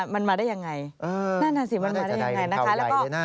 มันมาได้ยังไงนั่นน่ะสิมันมาได้ยังไงนะคะ